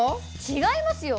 違いますよ！